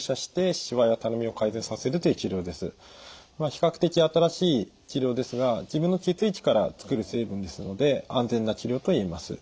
比較的新しい治療ですが自分の血液から作る成分ですので安全な治療と言えます。